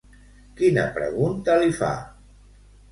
Quina pregunta li fa?